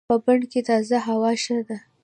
په بڼ کې تازه هوا ښه ده.